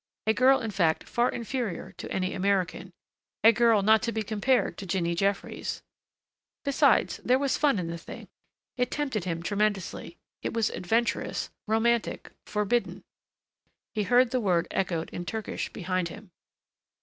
A girl, in fact, far inferior to any American. A girl not to be compared to Jinny Jeffries. Besides, there was fun in the thing. It tempted him tremendously. It was adventurous, romantic forbidden. He heard the word echoed in Turkish behind him.